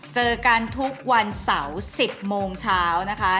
เจอกันทุกวันเสาร์๑๐โมงเช้านะคะ